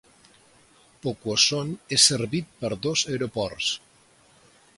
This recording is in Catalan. Poquoson és servit per dos aeroports.